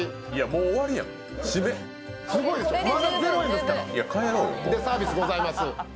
もうでサービスございます